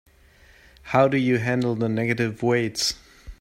How do you handle the negative weights?